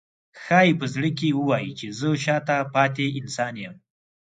ښایي په زړه کې ووایي چې زه شاته پاتې انسان یم.